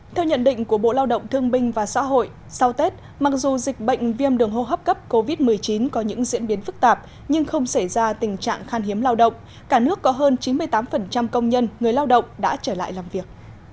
theo nhận định của bộ lao động thương binh và xã hội sau tết mặc dù dịch bệnh viêm đường hô hấp cấp covid một mươi chín có những diễn biến phức tạp nhưng không xảy ra tình trạng khan hiếm lao động cả nước có hơn chín mươi tám công nhân người lao động đã trở lại làm việc